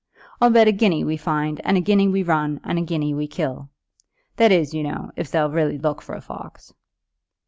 I'll bet a guinea we find, and a guinea we run, and a guinea we kill; that is, you know, if they'll really look for a fox."